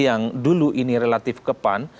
yang dulu ini relatif ke pan